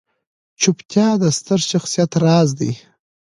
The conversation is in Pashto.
چوپتیا، د ستر شخصیت راز دی.